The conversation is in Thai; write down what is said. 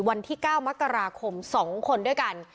วันที่๙มกราคม๒คนด้วยกัน